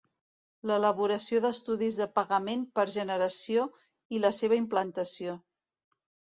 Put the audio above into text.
L'elaboració d'estudis de pagament per generació i la seva implantació.